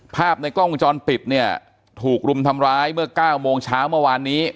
ภาพในกล้องวงจรปิดเนี่ยถูกรุมทำร้ายเมื่อ๙โมงเช้าเมื่อวานนี้